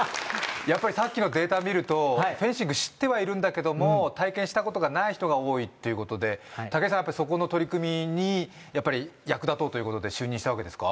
やっぱりさっきのデータ見るとフェンシング知ってはいるんだけども体験したことがない人が多いっていうことで武井さんやっぱそこの取り組みに役立とうということで就任したわけですか？